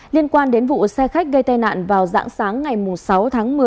liên quan đến vụ xe khách gây tai nạn vào giãng sáng ngày sáu tháng